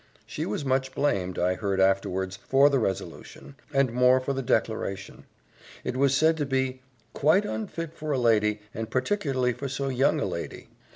She was much blamed, I heard afterwards, for the resolution, and more for the declaration. It was said to be "quite unfit for a lady, and particularly for so young a lady.